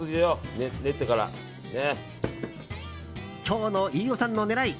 今日の飯尾さんの狙い